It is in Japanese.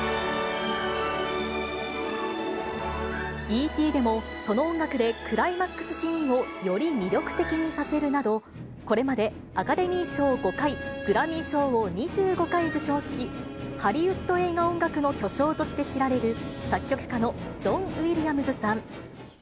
ＥＴでもその音楽でクライマックスシーンをより魅力的にさせるなど、これまでアカデミー賞５回、グラミー賞を２５回受賞し、ハリウッド映画音楽の巨匠として知られる作曲家のジョン・ウィリアムズさん。